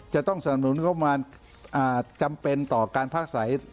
จะต้องสนุนเข้ามาจำเป็นต่อการพักสาย